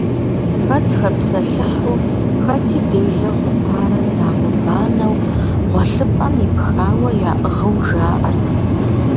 Хэт хэпсэлъыхьу, хэти делэ хъупарэ зауэ-банэу, гъуэлъыпӏэм ипхауэ яӏыгъыу жаӏэрт.